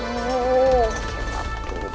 coba dulu dong